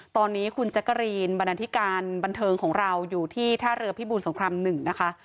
ตอนนี้คุณแจ๊กกะรีนบรรณาธิการบันเทิงของเราอยู่ที่ท่าเรือพิบูรสงคราม๑นะคะ